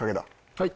はい。